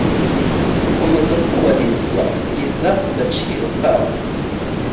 bukomeza kubahirizwa kugeza ku gaciro kabwo